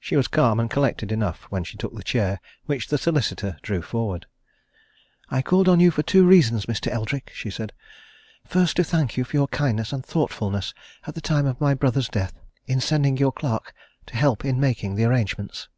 She was calm and collected enough when she took the chair which the solicitor drew forward. "I called on you for two reasons, Mr. Eldrick," she said. "First, to thank you for your kindness and thoughtfulness at the time of my brother's death, in sending your clerk to help in making the arrangements."